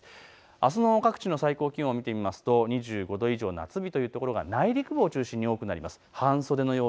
あすの各地の最高気温を見てみますと２５度以上、夏日という所が内陸部を中心に多くなりそうです。